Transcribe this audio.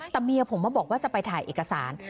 แต่เมียผมมาบอกว่าจะไปถ่ายเอกสาร